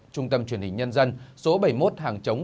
trung tâm truyền hình nhân dân số bảy mươi một hàng chống